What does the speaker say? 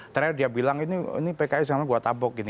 terakhir dia bilang ini pki sekarang gue tabok